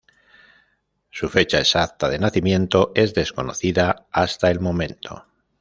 Su fecha exacta de nacimiento es desconocida hasta el momento.